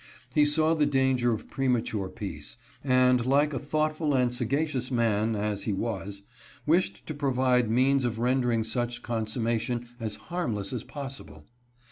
He saw the danger of pre mature peace, and, like a thoughtful and sagacious man as he was, wished to provide means of rendering such consummation as harmless as possible.